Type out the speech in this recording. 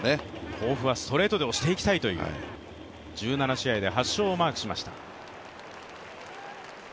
抱負はストレートで押していきたいという１７試合で８勝をマークしました。